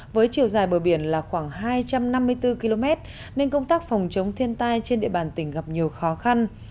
với chiều dài bờ biển là khoảng hai trăm năm mươi bốn km nên công tác phòng chống thiên tai trên địa bàn tỉnh gặp nhiều khó khăn